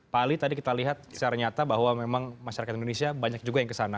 pak ali tadi kita lihat secara nyata bahwa memang masyarakat indonesia banyak juga yang kesana